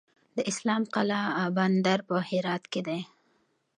د اسلام قلعه بندر په هرات کې دی